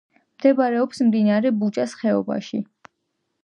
მდებარეობს მდინარე ბუჯას ხეობაში.